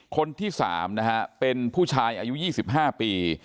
คนที่๓นะฮะเป็นผู้ชายอายุ๒๕ปี